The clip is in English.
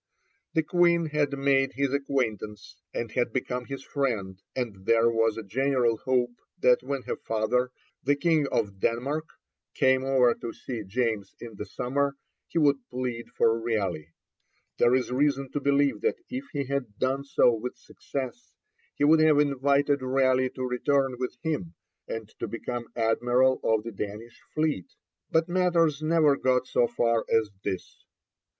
The Queen had made his acquaintance, and had become his friend, and there was a general hope that when her father, the King of Denmark, came over to see James in the summer, he would plead for Raleigh. There is reason to believe that if he had done so with success, he would have invited Raleigh to return with him, and to become Admiral of the Danish fleet. But matters never got so far as this.